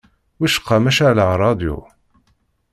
Wicqa ma ceεleɣ rradyu?